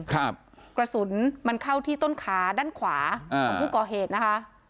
กระสุนมันเข้าที่ต้นขาด้านขวาอ่าของผู้ก่อเหตุนะคะ